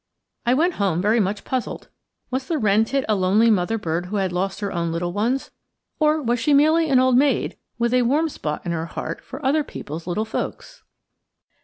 I went home very much puzzled. Was the wren tit a lonely mother bird who had lost her own little ones, or was she merely an old maid with a warm spot in her heart for other peoples' little folks?